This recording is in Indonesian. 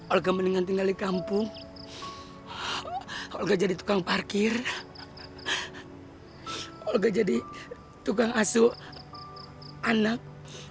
olga mendingan tinggal di kampung olga jadi tukang parkir olga jadi tukang asuk anak